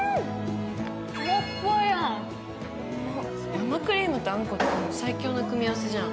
生クリームとあんこって最強の組み合わせじゃん。